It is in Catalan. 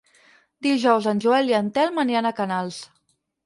Dijous en Joel i en Telm aniran a Canals.